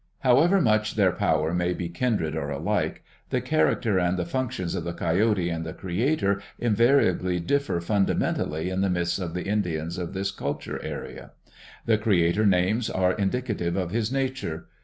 However much their power may be kindred or alike, the character and the functions of the Coyote and the Creator invariably differ funda mentally in the myths of the Indians of this culture area. The Creator's names are indicative of his nature.